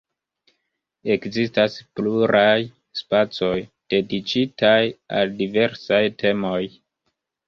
Ekzistas pluraj spacoj, dediĉitaj al diversaj temoj.